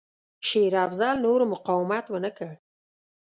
شېر افضل نور مقاومت ونه کړ.